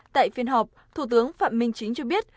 tại phiên họp thủ tướng phạm minh chính cho biết